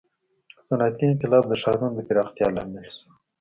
• صنعتي انقلاب د ښارونو د پراختیا لامل شو.